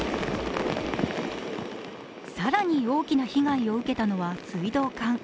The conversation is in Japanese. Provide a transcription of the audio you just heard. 更に大きな被害を受けたのは水道管。